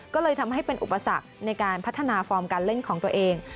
ก็เลยทำให้เป็นอุปสรรคในการพัฒนาฟอร์มการเล่นของตัวเอง